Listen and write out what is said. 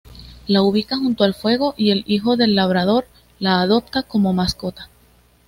La ubica junto al fuego y el hijo del labrador la adopta como mascota.